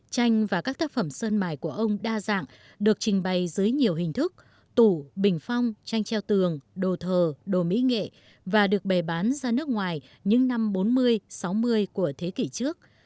tranh và các tác phẩm sơn mài của ông đa dạng được trình bày dưới nhiều hình thức tủ bình phong tranh treo tường đồ thờ đồ mỹ nghệ và được bày bán ra nước ngoài những năm bốn mươi sáu mươi của thế kỷ trước